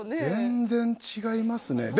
全然違いますね。